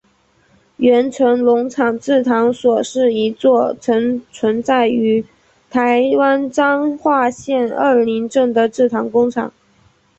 源成农场制糖所是一座曾存在于台湾彰化县二林镇的制糖工厂。